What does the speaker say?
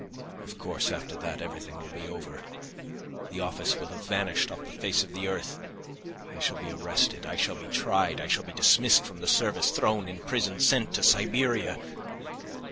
Of course, after that everything will be over! The office will have vanished off the face of the earth. I shall be arrested, I shall be tried, I shall be dismissed from the service, thrown in prison, sent to Siberia.